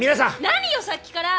何よさっきから！